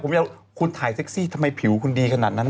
ผมจะเอาคุณถ่ายเซ็กซี่ทำไมผิวคุณดีขนาดนั้น